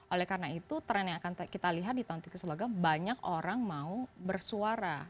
oleh karena itu tren yang akan kita lihat di tahun tikus logam banyak orang mau bersuara